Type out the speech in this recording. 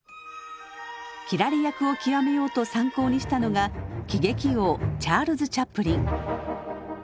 斬られ役を極めようと参考にしたのが喜劇王チャールズ・チャップリン。